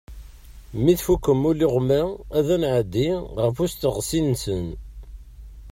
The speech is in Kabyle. Mi tfukkem iluɣma ad nɛeddi ɣer usteɣsi-nsen.